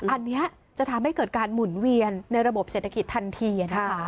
อันนี้จะทำให้เกิดการหมุนเวียนในระบบเศรษฐกิจทันทีนะคะ